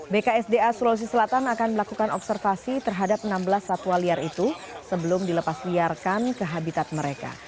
bksda sulawesi selatan akan melakukan observasi terhadap enam belas satwa liar itu sebelum dilepas liarkan ke habitat mereka